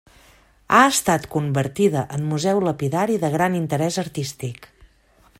Ha estat convertida en museu lapidari de gran interès artístic.